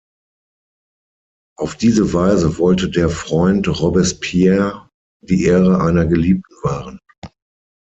Auf diese Weise wollte der Freund Robespierres die Ehre einer Geliebten wahren.